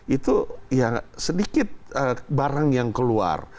itu ya sedikit barang yang keluar